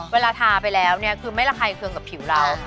เวลาทาไปแล้วเนี่ยคือไม่ระคายเคืองกับผิวเรา